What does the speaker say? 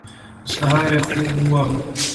سهار یې خوب وواهه.